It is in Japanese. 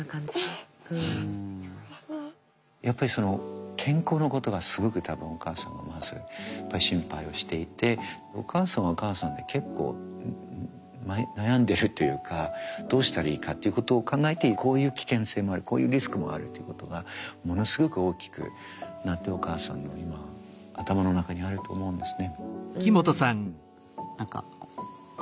やっぱりその健康のことがすごく多分お母さんはまずやっぱり心配をしていてお母さんはお母さんで結構悩んでるというかどうしたらいいかっていうことを考えてこういう危険性もあるこういうリスクもあるということがものすごく大きくなってお母さんの今頭の中にあると思うんですね。